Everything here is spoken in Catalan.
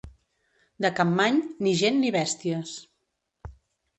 De Campmany, ni gent ni bèsties.